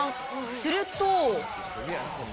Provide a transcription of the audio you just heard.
すると。